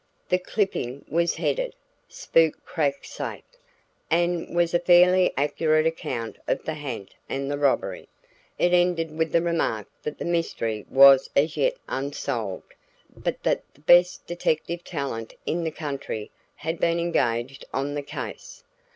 The clipping was headed, "Spook Cracks Safe," and was a fairly accurate account of the ha'nt and the robbery. It ended with the remark that the mystery was as yet unsolved, but that the best detective talent in the country had been engaged on the case.